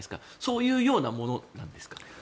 そういうものなんですか？